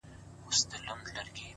په دې وطن کي په لاسونو د ملا مړ سوم”